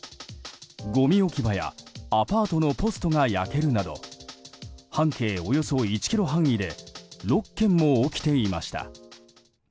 ごみ置き場やアパートのポストが焼けるなど半径およそ１ｋｍ範囲で６件も起きていました。